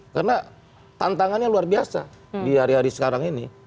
karena tantangannya luar biasa di hari hari sekarang ini